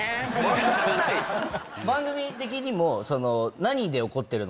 番組的にもその。